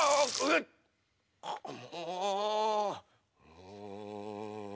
うん。